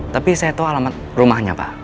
tapi saya tahu alamat rumahnya pak